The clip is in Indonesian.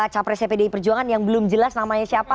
capresnya pdi perjuangan yang belum jelas namanya siapa